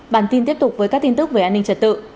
bản tin tiếp tục với các tin tức về an ninh trật tự